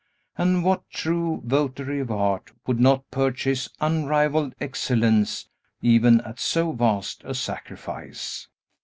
And what true votary of art would not purchase unrivalled excellence, even at so vast a sacrifice!